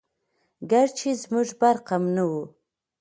ګرچې زموږ برق هم نه وو🤗